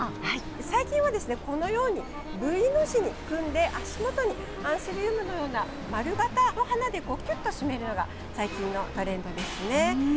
最近は、このようにＶの字に組んで足元にアンスリウムのような丸形の花でキュッと締めるのが最近のトレンドですね。